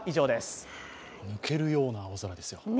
抜けるような青空ですよ。